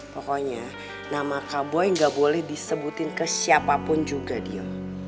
pokoknya nama kak boy gak boleh disebutin ke siapapun juga dio